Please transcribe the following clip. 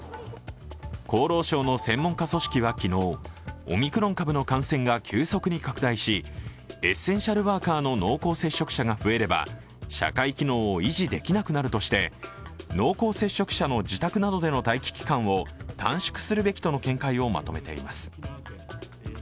厚労省の専門家組織は昨日、オミクロン株の感染が急速に拡大しエッセンシャルワーカーの濃厚接触者が増えれば、社会機能を維持できなくなるとして、濃厚接触者の自宅などでの待機期間を短縮するべきとの見解をまとめています。